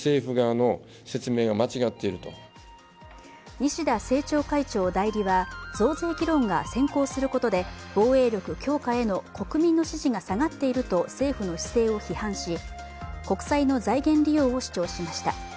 西田政調会長代理は増税議論が先行することで防衛力強化への国民の支持が下がっていると政府の姿勢を批判し、国債の財源利用を主張しました。